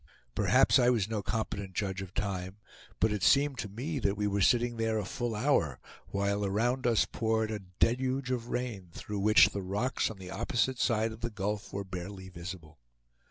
Perhaps I was no competent judge of time, but it seemed to me that we were sitting there a full hour, while around us poured a deluge of rain, through which the rocks on the opposite side of the gulf were barely visible.